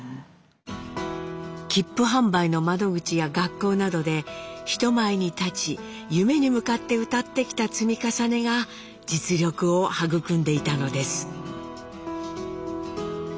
切符販売の窓口や学校などで人前に立ち夢に向かって歌ってきた積み重ねが実力を育んでいたのです。